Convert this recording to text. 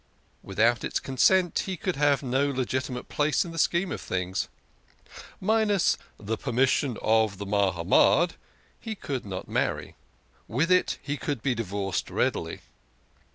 Without its con sent he could have no legitimate place in the scheme of things. Minus " the permission of the Mahamad " he could 106 THE KING OF SCHNORRERS. not marry ; with it he could be divorced readily.